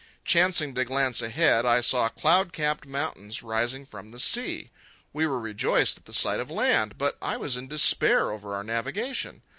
Chancing to glance ahead, I saw cloud capped mountains rising from the sea. We were rejoiced at the sight of land, but I was in despair over our navigation.